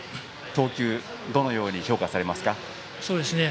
投球、どのように評価されますか。